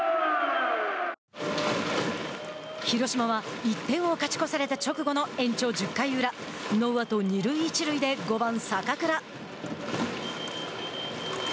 広島は１点を勝ち越された直後の、延長１０回裏ノーアウト二塁一塁で５番坂倉。